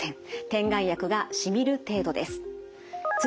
点眼薬がしみる程度です。